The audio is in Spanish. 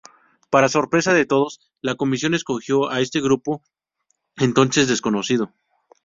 Para sorpresa de todos, la comisión, escogió a este grupo, entonces desconocido.